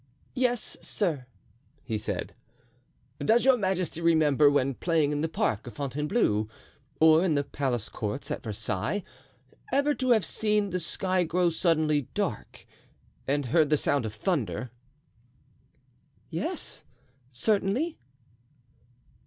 "Yes, sir." he said. "Does your majesty remember, when playing in the park of Fontainebleau, or in the palace courts at Versailles, ever to have seen the sky grow suddenly dark and heard the sound of thunder?" "Yes, certainly."